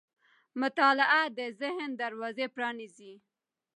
مطالعه د ذهن دروازې پرانیزي.